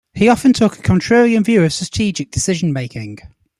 He often took a contrarian view of strategic decision making.